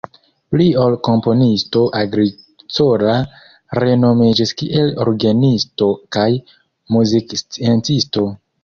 Pli ol komponisto Agricola renomiĝis kiel orgenisto kaj muziksciencisto.